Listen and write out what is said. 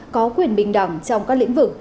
có quyền bình đẳng trong các lĩnh vực